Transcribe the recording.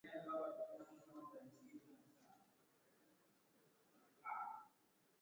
Ikizingatia kila kitu kuanzia falsafa yake ya mahakama kwa ujumla hadi maswali mahususi kuhusu maamuzi ambayo aliyoyatoa